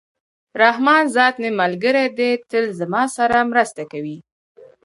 رحمان ذات مي ملګری دئ! تل زما سره مرسته کوي.